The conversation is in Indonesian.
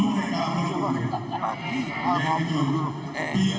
belakang pengelolaan calon ke dua ini